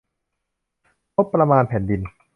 งบประมาณแผ่นดิน